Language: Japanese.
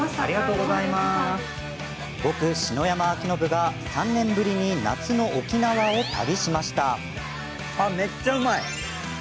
僕、篠山輝信が３年ぶりに夏の沖縄を旅しました。